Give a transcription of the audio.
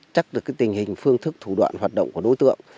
chắc được tình hình phương thức thủ đoạn hoạt động của đối tượng